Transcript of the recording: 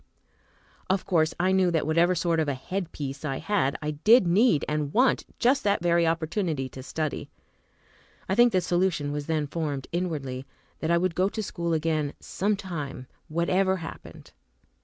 Of course I knew that whatever sort of a "head piece" I had, I did need and want just that very opportunity to study. I think the solution was then formed, inwardly, that I would go to school again, some time, whatever happened.